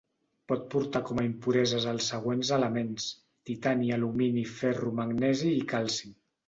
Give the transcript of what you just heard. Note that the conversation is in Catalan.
Pot portar com a impureses els següents elements: titani, alumini, ferro, magnesi i calci.